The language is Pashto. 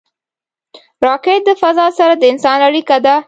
راکټ د فضا سره د انسان اړیکه ده